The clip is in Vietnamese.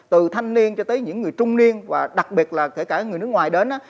từ thanh niên cho tới những người trung niên và đặc biệt là kể cả người nước ngoài đến á